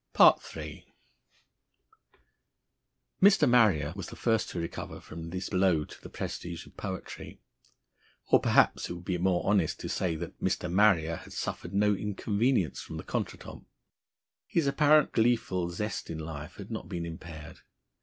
III. Mr. Marrier was the first to recover from this blow to the prestige of poetry. Or perhaps it would be more honest to say that Mr. Marrier had suffered no inconvenience from the contretemps. His apparent gleeful zest in life had not been impaired.